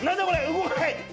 動かない！